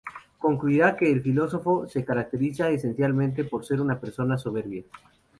Concluirá que el filósofo se caracteriza esencialmente por ser una persona soberbia.